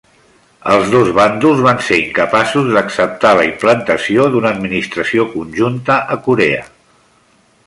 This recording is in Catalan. Els dos bàndols van ser incapaços d'acceptar la implantació d'una administració conjunta a Corea.